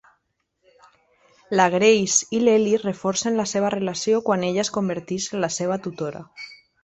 La Grace i l'Eli reforcen la seva relació quan ella es converteix en la seva tutora.